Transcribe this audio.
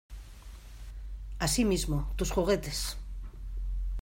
Así mismo. Tus juguetes .